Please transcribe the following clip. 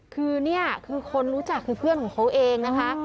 คือนี่คือคนรู้จักคือเพื่อนของเขาเองนะคะ